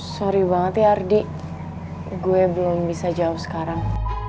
sorry banget ya ardi gue belum bisa jawab sekarang